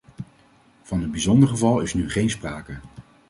Van een bijzonder geval is nu geen sprake.